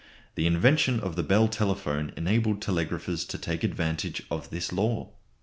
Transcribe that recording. The invention of the Bell telephone enabled telegraphers to take advantage of this law.